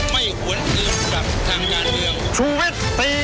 ไม่หวังเรื่องกับทางยานเรียง